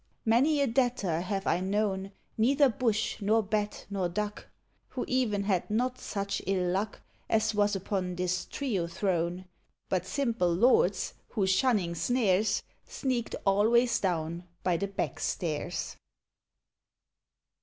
Many a debtor have I known Neither Bush, nor Bat, nor Duck Who even had not such ill luck As was upon this trio thrown, But simple lords, who, shunning snares, Sneaked always down by the back stairs.